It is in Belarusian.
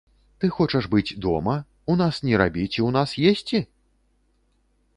Ты хочаш быць дома, у нас не рабіць і ў нас есці?